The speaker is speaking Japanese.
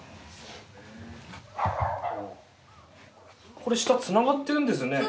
これ下つながってるんですね。